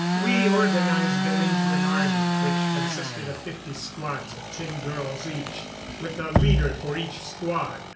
We organized them into an army which consisted of fifty squads of ten girls each, with a leader for each squad.